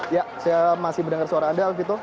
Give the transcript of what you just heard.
ya saya masih mendengar suara anda alfito